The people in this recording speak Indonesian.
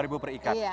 rp dua per ikat